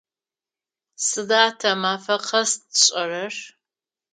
Сыда тэ мафэ къэс тшӏэрэр?